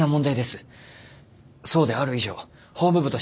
そうである以上法務部としても。